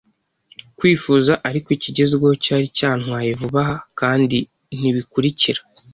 kwifuza, ariko ikigezweho cyari cyantwaye vuba aha, kandi nkibikurikira